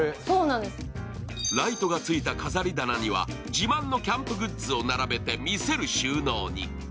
ライトがついた飾り棚には自慢のキャンプグッズを並べて見せる収納に。